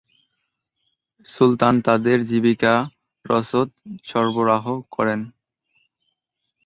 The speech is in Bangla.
সুলতান তাদের জীবিকা রসদ সরবরাহ করেন।